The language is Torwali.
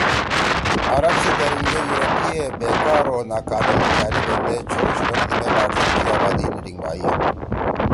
عرب سی دھیریِن گے یورپی ئے بےکار او ناکالیل چألے بیندے چھؤشُو بنَدی مے باٹ زید کی آبادی نی ٹیِنگ بھائی